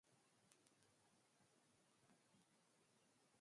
Mexico and Indonesia withdrew.